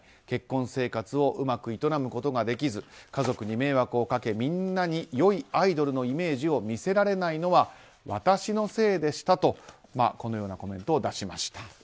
結婚生活をうまく営むことができず家族に迷惑をかけみんなに良いアイドルのイメージを見せられないのは私のせいでしたとコメントを出しました。